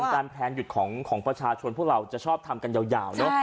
การแพลนหยุดของประชาชนพวกเราจะชอบทำกันยาวเนอะ